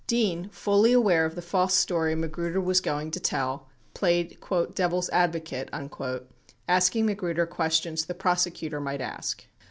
9 Dean, fully aware of the false story Magruder was going to tell, played "devil's advocate" asking Magruder questions the pros ecutor might ask.